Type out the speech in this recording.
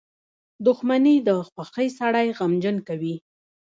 • دښمني د خوښۍ سړی غمجن کوي.